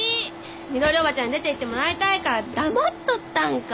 みどり叔母ちゃんに出ていってもらいたいから黙っとったんか。